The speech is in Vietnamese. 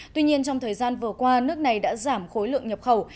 tuy nhiên trong thời gian vừa qua nước này đã giảm khối lượng nhập khẩu